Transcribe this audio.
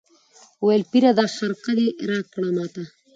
ویل پیره دا خرقه دي راکړه ماته